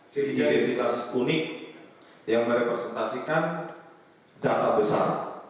jadi identitas unik yang merepresentasikan data besar